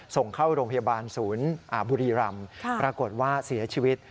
ส่งเข้าโรงพยาบาลศูนย์บุรีรำปรากฏว่าเสียชีวิต